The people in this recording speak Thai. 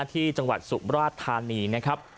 ที่จังหวัดสุมราชธานีนะครับ